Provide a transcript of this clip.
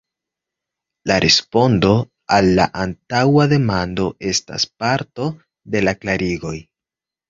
La respondo al la antaŭa demando estas parto de la klarigoj.